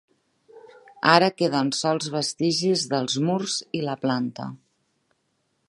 Ara queden sols vestigis dels murs i la planta.